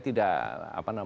walaupun saya bukan orang hukum